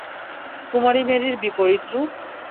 কুমারী মেরির বিপরীত রূপ!